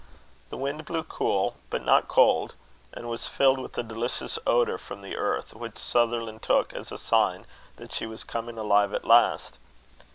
The wind blew cool, but not cold; and was filled with a delicious odour from the earth, which Sutherland took as a sign that she was coming alive at last.